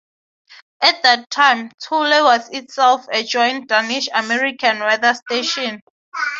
At that time, Thule was itself a joint Danish-American weather station.